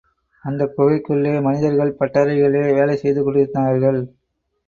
அந்தக் குகைக்குள்ளே மனிதர்கள் பட்டறைகளிலே வேலை செய்து கொண்டிருந்தார்கள்.